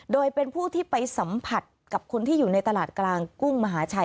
โดยเป็นผู้ที่ไปสัมผัสกับคนที่อยู่ในตลาดกลางกุ้งมหาชัย